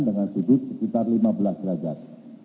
dengan sudut sekitar lima belas derajat